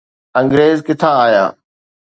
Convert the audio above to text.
انگريز ڪٿان آيا؟